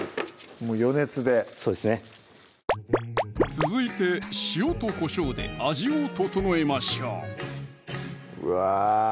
もう余熱でそうですね続いて塩とこしょうで味を調えましょううわ